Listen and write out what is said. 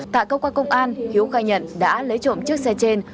tại cơ quan công an hiếu khai nhận đã lấy trộm chiếc xe trên